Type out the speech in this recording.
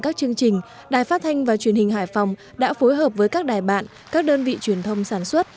các chương trình đài phát thanh và truyền hình hải phòng đã phối hợp với các đài bạn các đơn vị truyền thông sản xuất